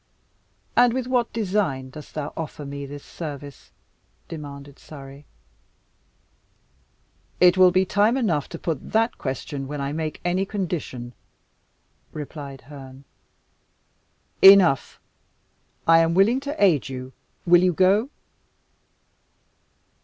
"And with what design dost thou offer me this service?" demanded Surrey. "It will be time enough to put that question when I make any condition," replied Herne. "Enough, I am willing to aid you. Will you go?"